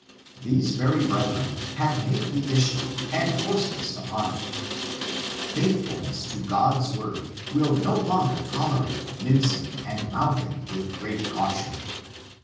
These very brethren have made the issue and forced us upon it Faithfulness to God's word will no longer tolerate mincing and mouthing with great caution.